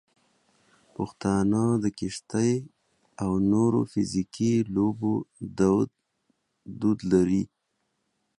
پښتانه د کشتۍ او نورو فزیکي لوبو دود لري.